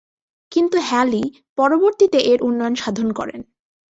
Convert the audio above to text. কিন্তু হ্যালি পরবর্তীতে এর উন্নয়ন সাধন করেন।